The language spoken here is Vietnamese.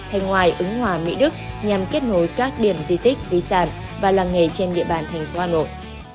bên ngoài ứng hòa mỹ đức nhằm kết nối các điểm di tích di sản và làng nghề trên địa bàn thành phố hà nội